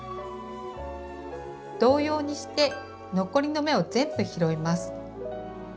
同様にして残りの目を全部拾います。